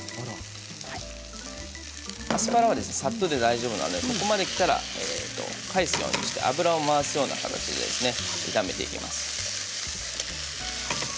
アスパラはさっとで大丈夫ですのでここまできたら返すようにして油を回すような感じですね焼いていきます。